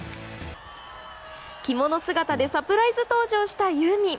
着物姿でサプライズ登場したユーミン。